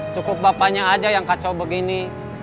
cukup bapaknya aja yang kacau begini